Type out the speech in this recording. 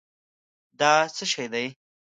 دا څه شی دی؟